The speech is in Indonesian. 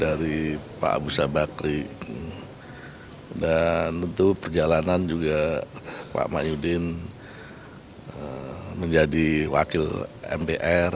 dari pak abu sabakri dan tentu perjalanan juga pak mahyudin menjadi wakil mpr